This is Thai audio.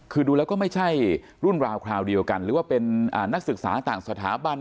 คือดูแล้วก็ไม่ใช่รุ่นราวคราวเดียวกันหรือว่าเป็นนักศึกษาต่างสถาบัน